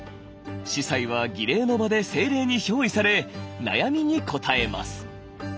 司祭は儀礼の場で精霊に憑依され悩みに答えます。